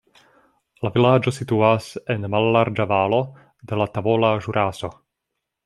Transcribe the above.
La vilaĝo situas en mallarĝa valo de la Tavola Ĵuraso.